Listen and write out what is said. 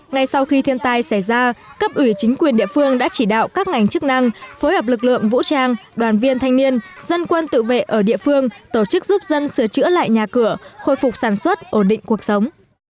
ngay sau khi thiên tai xảy ra cấp ủy chính quyền địa phương đã chỉ đạo các ngành chức năng phối hợp lực lượng vũ trang đoàn viên thanh niên dân quân tự vệ ở địa phương tổ chức giúp dân sửa chữa lại nhà cửa khôi phục sản xuất ổn định cuộc sống